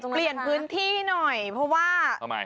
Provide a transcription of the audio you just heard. เปลี่ยนพื้นที่หน่อยเพราะว่าทำไม